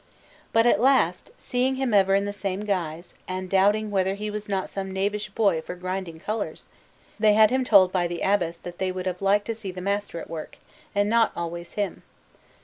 But at last, seeing him ever in the same guise, and doubting whether he was not some knavish boy for grinding colours, they had him told by the Abbess that they would have liked to see the master at work, and not always him.